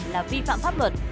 là vi phạm pháp luật